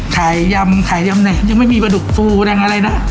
ขายยำขายยำแหน่งยังไม่มีปลาดุกฟูดังอะไรนะ